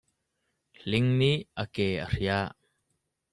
Hling nih a ke a hriah.